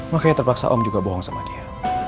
makanya terpaksa om juga bohong sama dia